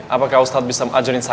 apakah ustadz bisa mengajarin saya